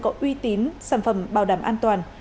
có uy tín sản phẩm bảo đảm an toàn